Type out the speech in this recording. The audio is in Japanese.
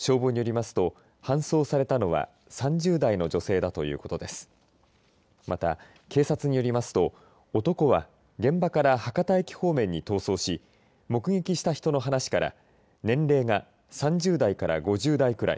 また、警察によりますと男は現場から博多駅方面に逃走し目撃した人の話から年齢が３０代から５０代くらい。